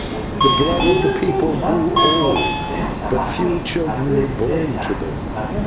The blood of the people grew old, and but few children were born to them.